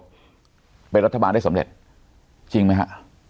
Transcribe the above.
จะเป็นรัฐบาลได้สำเร็จจริงไหมฮะ